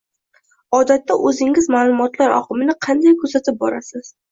Odatda oʻzingiz maʼlumotlar oqimini qanday kuzatib borasiz?